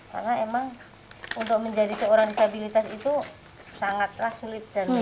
karena emang untuk menjadi seorang disabilitas itu sangat penting